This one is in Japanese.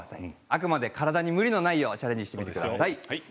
あくまで体に無理のないようにチャレンジしてみてください。